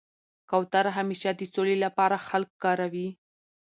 کوتره همېشه د سولي له پاره خلک کاروي.